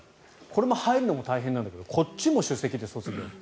これも入るのが大変なんだけどこっちも首席で卒業。